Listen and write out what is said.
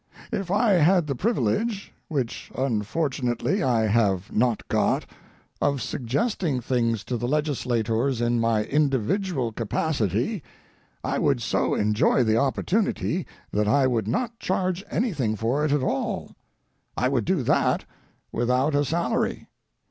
If I had the privilege, which unfortunately I have not got, of suggesting things to the legislators in my individual capacity, I would so enjoy the opportunity that I would not charge anything for it at all. I would do that without a salary.